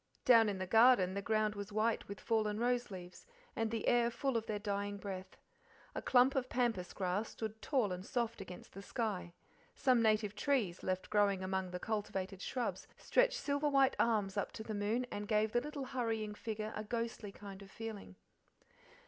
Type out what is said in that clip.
Down in the garden the ground was white with fallen rose leaves, and the air full of their dying breath; a clump of pampas grass stood tall and soft against the sky; some native trees, left growing among the cultivated shrubs, stretched silver white arms up to the moon and gave the little hurrying figure a ghostly kind of feeling.